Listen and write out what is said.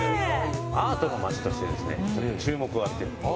・アートの町としてですね注目を浴びてる。